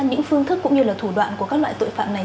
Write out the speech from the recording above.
những phương thức cũng như là thủ đoạn của các loại tội phạm này